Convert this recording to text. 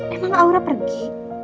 emang aura pergi